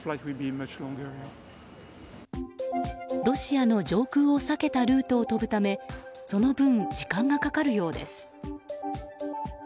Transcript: ロシアの上空を避けたルートを飛ぶためその分、時間がかかるようです。